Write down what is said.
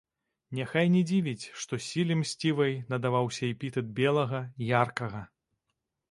Няхай не дзівіць, што сіле мсцівай надаваўся эпітэт белага, яркага.